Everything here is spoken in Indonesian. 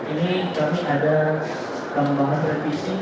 ini kami ada kembangan revisi